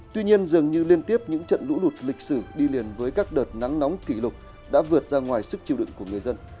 tuy nhiên dường như liên tiếp những trận lũ lụt lịch sử đi liền với các đợt nắng nóng kỷ lục đã vượt ra ngoài sức chiêu đựng của người dân